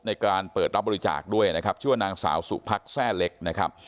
ในการเปิดรับบริจาคด้วยนะครับชื่อว่านางสาวสุพักแทร่เล็กนะครับ